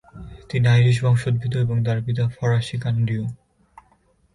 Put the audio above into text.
তিনি আইরিশ বংশোদ্ভূত এবং তার পিতা ফরাসি কানাডীয়।